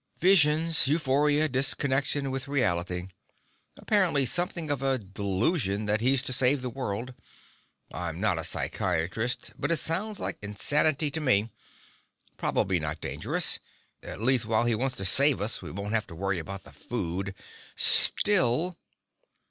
"Visions. Euphoria. Disconnection with reality. Apparently something of a delusion that he's to save the world. I'm not a psychiatrist, but it sounds like insanity to me. Probably not dangerous. At least, while he wants to save us, we won't have to worry about the food. Still...."